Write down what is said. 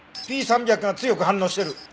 Ｐ３００が強く反応してる！